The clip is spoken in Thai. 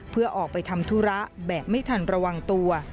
เพื่อออกไปทำธุระแบบไม่ทันระวังตัว